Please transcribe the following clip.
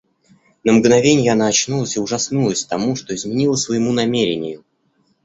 На мгновенье она очнулась и ужаснулась тому, что изменила своему намерению.